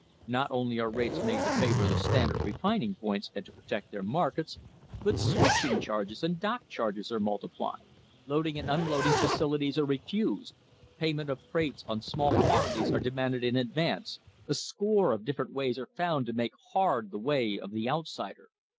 Not only are rates made to favour the Standard refining points and to protect their markets, but switching charges and dock charges are multiplied. Loading and unloading facili ties are refused, payment of freights on small quantities are demanded in advance, a score of different ways are found to make hard the way of the outsider.